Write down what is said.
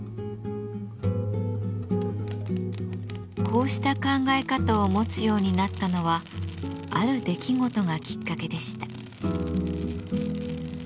こうした考え方を持つようになったのはある出来事がきっかけでした。